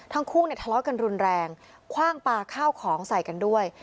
ทั้งคู่เนี่ยทะเลาะกันรุนแรงคว่างปลาข้าวของใส่กันด้วย